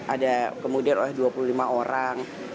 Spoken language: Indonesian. ada kemudian oleh dua puluh lima orang